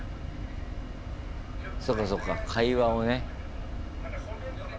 そうかそうか会話をね。